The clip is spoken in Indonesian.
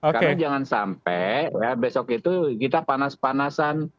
karena jangan sampai besok itu kita panas panasan